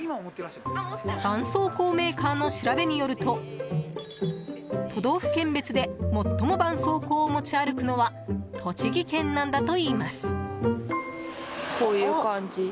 ばんそうこうメーカーの調べによると都道府県別で最もばんそうこうを持ち歩くのは栃木県なんだといいます。